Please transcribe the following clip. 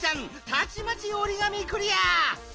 たちまちおりがみクリア！